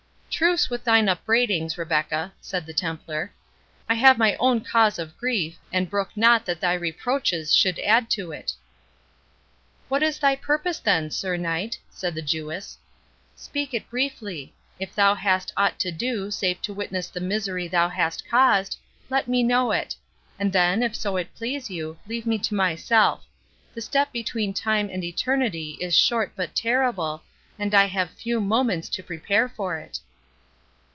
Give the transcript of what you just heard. "Truce with thine upbraidings, Rebecca," said the Templar; "I have my own cause of grief, and brook not that thy reproaches should add to it." "What is thy purpose, then, Sir Knight?" said the Jewess; "speak it briefly.—If thou hast aught to do, save to witness the misery thou hast caused, let me know it; and then, if so it please you, leave me to myself—the step between time and eternity is short but terrible, and I have few moments to prepare for it."